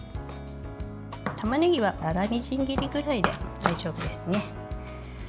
たまねぎは粗みじん切りぐらいで大丈夫ですね。